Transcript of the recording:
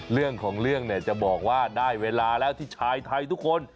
เรื่องของเรื่องเนี่ยจะบอกว่าได้เวลาแล้วที่ชายไทยทุกคน